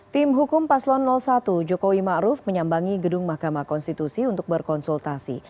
tim hukum paslon satu jokowi ma'ruf menyambangi gedung mahkamah konstitusi untuk berkonsultasi